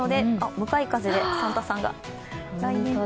向かい風でサンタさんが大変。